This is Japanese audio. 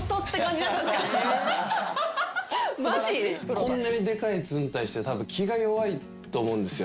こんなにでかいずうたいしてたぶん気が弱いと思うんですよ。